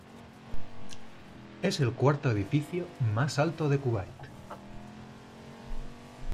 Es el cuarto edificio más alto de Kuwait.